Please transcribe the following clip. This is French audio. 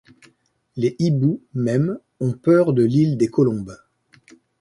Les hiboux même ont peur de l’île des colombes.